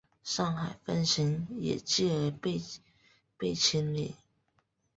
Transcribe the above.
上海分行也继而被被清理。